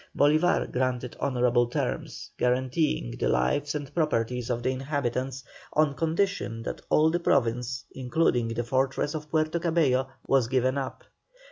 Bolívar granted honourable terms, guaranteeing the lives and properties of the inhabitants, on condition that all the Province, including the fortress of Puerto Cabello, was given up.